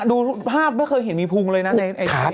ดูภาพไม่เคยเห็นมีฟุ้งเลยนะในเกียรติภาพ